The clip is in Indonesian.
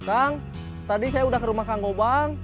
kang tadi saya udah ke rumah kang gobang